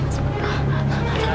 oke sebentar ya